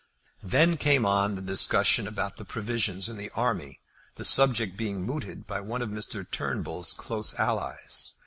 Then came on the discussion about provisions in the army, the subject being mooted by one of Mr. Turnbull's close allies.